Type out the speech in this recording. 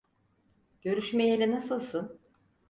Görüşmeyeli nasılsın?